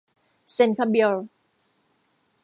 เซนต์คาเบรียล